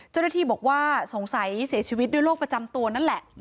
เจ้าหน้าที่บอกว่าสงสัยเสียชีวิตด้วยโรคประจำตัวนั่นแหละ